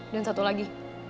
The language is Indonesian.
dan satu lagi